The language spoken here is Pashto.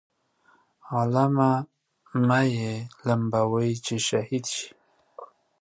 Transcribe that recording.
عالمه مه یې لمبوئ چې شهید شي.